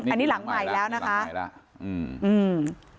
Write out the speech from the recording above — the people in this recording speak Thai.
อันนี้หลังใหม่แล้วนะคะใช่แล้วอืมอืม